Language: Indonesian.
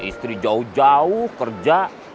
istri jauh jauh kerja